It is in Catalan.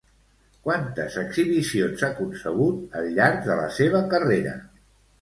Quantes exhibicions ha concebut al llarg de la seva carrera?